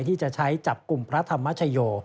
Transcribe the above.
ที่จะใช้จับกลุ่มพระธรรมชโย